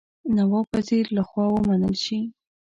نواب وزیر له خوا ومنل شي.